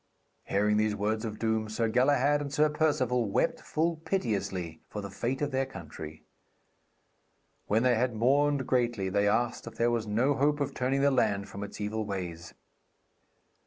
Hearing these words of doom, Sir Galahad and Sir Perceval wept full piteously for the fate of their country. When they had mourned greatly, they asked if there was no hope of turning the land from its evil ways.